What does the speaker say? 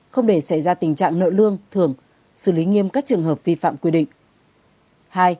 không để xảy ra tình trạng nợ lương thường xử lý nghiêm các trường hợp vi phạm quy định